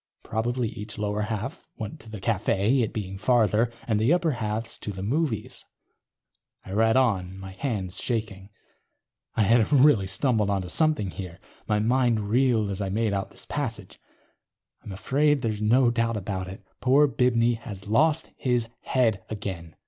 Probably each lower half went to the cafe, it being farther, and the upper halves to the movies. I read on, hands shaking. I had really stumbled onto something here. My mind reeled as I made out this passage: _... I'm afraid there's no doubt about it. Poor Bibney has lost his head again.